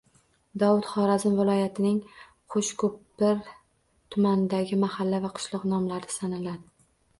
Dovud – Xorazm viloyatining Qo‘shko‘pir tumanidagi mahalla va qishloq nomlari sanaladi.